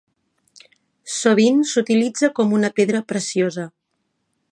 Sovint s'utilitza com una pedra preciosa.